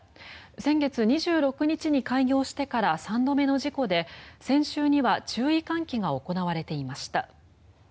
先月２６日に開業してから３度目の事故で先週には注意喚起が行われていました。